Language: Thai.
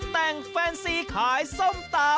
แต่งแฟนซีขายส้มตำ